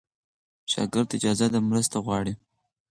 شاګرد ته اجازه ده مرسته وغواړي.